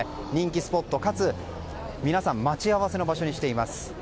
人気スポットかつ、皆さん待ち合わせの場所にしています。